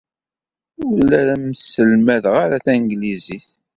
Ur la am-sselmadeɣ ara tanglizit.